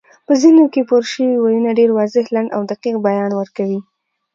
په ځینو کې پورشوي ویونه ډېر واضح، لنډ او دقیق بیان ورکوي